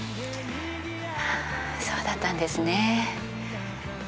そうだったんですね。